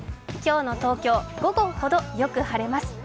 今日の東京午後ほどよく晴れます。